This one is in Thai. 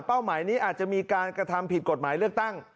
หมายนี้อาจจะมีการกระทำผิดกฎหมายเลือกตั้ง